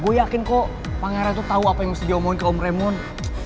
gue yakin kok pangeran tuh tau apa yang mesti dia omongin ke om raymond